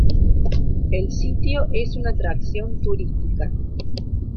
El sitio es una atracción turística.